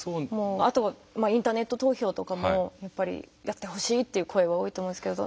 あとインターネット投票とかもやっぱりやってほしいっていう声は多いと思いますけど。